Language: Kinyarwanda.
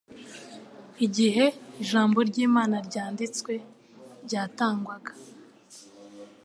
Igihe Ijambo ry'Imana ryanditswe ryatangwaga,